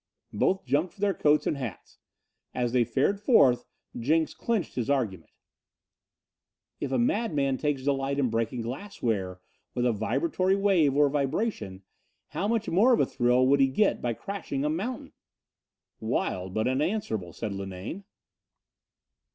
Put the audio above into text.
Both jumped for their coats and hats. As they fared forth, Jenks cinched his argument: "If a madman takes delight in breaking glassware with a vibratory wave or vibration, how much more of a thrill would he get by crashing a mountain?" "Wild, but unanswerable," said Linane.